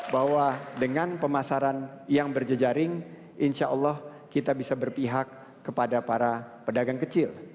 bahwa dengan pemasaran yang berjejaring insya allah kita bisa berpihak kepada para pedagang kecil